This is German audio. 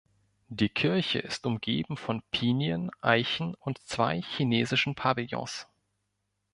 Die Kirche ist umgeben von Pinien, Eichen und zwei chinesischen Pavillons.